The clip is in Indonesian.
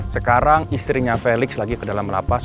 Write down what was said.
sekarang istrinya felix lagi ke dalam lapas